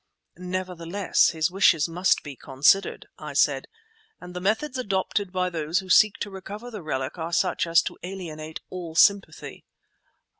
"Nevertheless his wishes must be considered," I said, "and the methods adopted by those who seek to recover the relic are such as to alienate all sympathy."